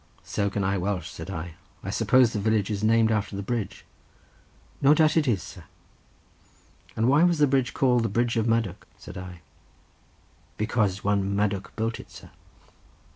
"So can I Welsh," said I. "I suppose the village is named after the bridge." "No doubt it is, sir." "And why was the bridge called the bridge of Madoc?" said I. "Because one Madoc built it, sir."